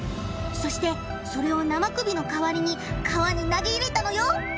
そしてそれを生首の代わりに川に投げ入れたのよ！